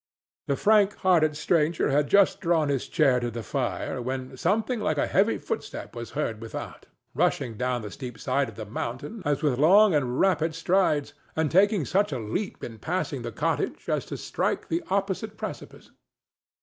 The frank hearted stranger had just drawn his chair to the fire when something like a heavy footstep was heard without, rushing down the steep side of the mountain as with long and rapid strides, and taking such a leap in passing the cottage as to strike the opposite precipice.